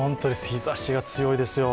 日ざしが強いですよ。